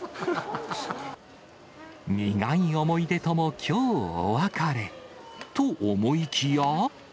苦い思い出とも、きょうお別れ。と思いきや。